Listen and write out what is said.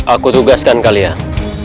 aku tugaskan kalian